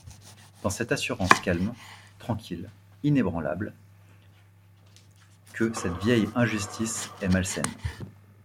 Dans cette assurance calme, tranquille, inébranlable, que cette vieille injustice est malsaine.